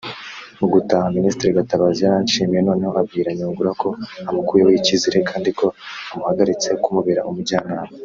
Mu gutaha Ministre Gatabazi yaranshimiye noneho abwira Nyungura ko amukuyeho ikizere kandi ko amuhagaritse kumubera umujyanama